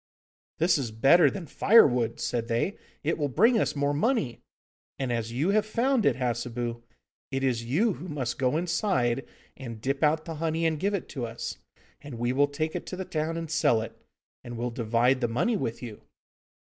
'This is better than firewood,' said they; 'it will bring us more money. And as you have found it, Hassebu, it is you who must go inside and dip out the honey and give to us, and we will take it to the town and sell it, and will divide the money with you.